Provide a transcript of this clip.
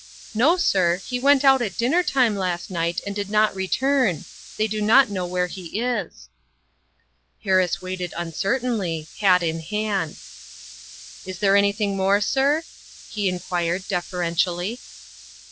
" No, sir. He went out at dinner time last night and did not return. They do not know where he is." Harris waited uncertainly, hat in hand. " Is there anything more, sir?" he inquired defer entially.